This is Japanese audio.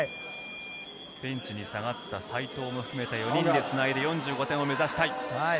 ベンチに下がった西藤も含めた４人でつないで、４５点を目指したい。